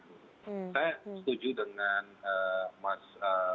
saya setuju dengan mas